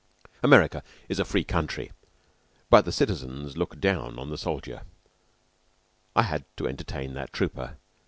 America is a free country, but the citizens look down on the soldier. I had to entertain that trooper.